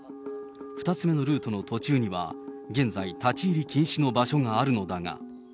２つ目のルートの途中には現在、立ち入り禁止の場所があるのだが。